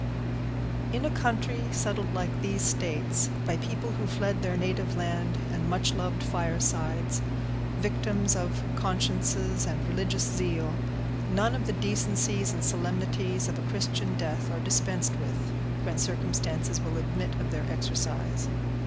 In a country settled, like these states, by a people who fled their native land and much loved firesides, victims of consciences and religious zeal, none of the decencies and solemnities of a Christian death are dispensed with, when circumstances will admit of their exercise.